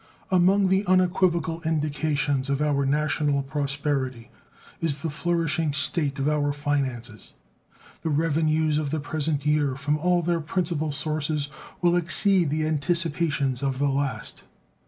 Among the unequivocal indications of our national prosperity is the flourishing state of our finances. The revenues of the present year, from all their principal sources, will exceed the anticipations of the last.